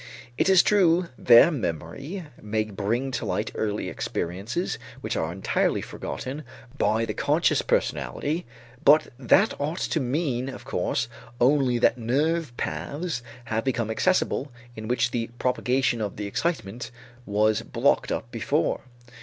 It is true their memory may bring to light earlier experiences which are entirely forgotten by the conscious personality, but that ought to mean, of course, only that nerve paths have become accessible in which the propagation of the excitement was blocked up before.